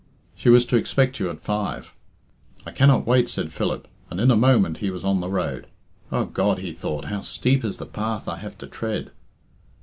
"She was to expect you at five." "I cannot wait," said Philip, and in a moment he was on the road. "O God!" he thought, "how steep is the path I have to tread."